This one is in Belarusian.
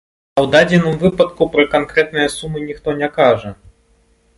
А ў дадзеным выпадку пра канкрэтныя сумы ніхто не кажа.